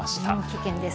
危険です。